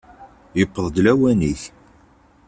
Yewweḍ-d lawan-ik!